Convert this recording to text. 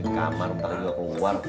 kamar ntar dia keluar